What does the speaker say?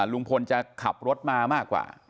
ลุงพลจะขับรถมามากกว่า